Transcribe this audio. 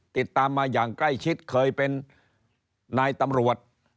ติดตามมาอย่างใกล้ชิดเคยเป็นนายตำรวจ